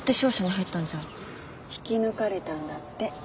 引き抜かれたんだって。